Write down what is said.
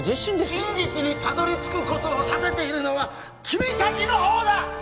真実にたどり着くことを避けているのは君達の方だ！